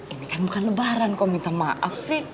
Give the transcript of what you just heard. ini kan bukan lebaran kau minta maaf sih